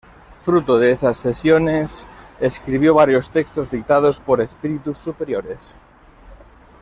Fruto de esas sesiones escribió varios textos dictados por "espíritus superiores".